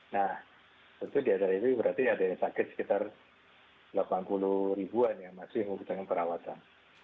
nah tentu di atas itu berarti ada yang sakit sekitar delapan puluh ribuan yang masih membutuhkan perawatan